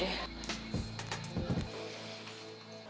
he sebentar ya